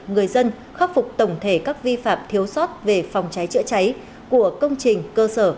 người dân khắc phục tổng thể các vi phạm thiếu sót về phòng cháy chữa cháy của công trình cơ sở